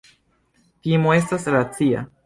Timo estas racia.